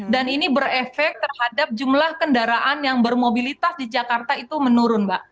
dan ini berefek terhadap jumlah kendaraan yang bermobilitas di jakarta itu menurun mbak